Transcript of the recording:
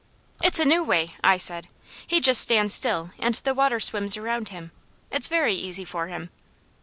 "It's a new way," I said. "He just stands still and the water swims around him. It's very easy for him."